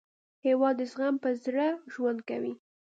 هېواد د زغم په زړه ژوند کوي.